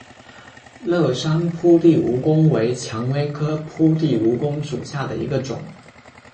乐山铺地蜈蚣为蔷薇科铺地蜈蚣属下的一个种。